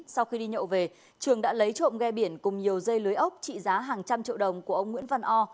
sau khi đi nhậu về trường đã lấy trộm ghe biển cùng nhiều dây lưới ốc trị giá hàng trăm triệu đồng của ông nguyễn văn o